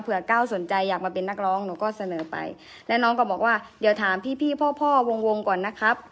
ก้าวสนใจอยากมาเป็นนักร้องหนูก็เสนอไปแล้วน้องก็บอกว่าเดี๋ยวถามพี่พี่พ่อพ่อวงก่อนนะครับ